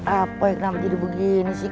apa ya kenapa tidur begini sih